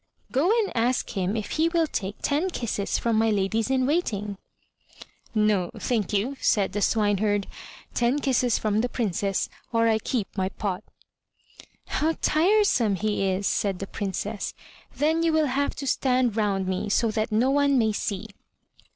'' "Go and ask him if he will take ten kisses from my ladies in waiting." "No, thank you," said the swineherd; "ten kisses from the Princess, or I keep my pot." "How tiresome it is," said the Princess. "Then you will have to stand round me, so that no one may see."